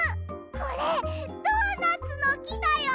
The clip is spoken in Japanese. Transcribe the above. これドーナツのきだよ。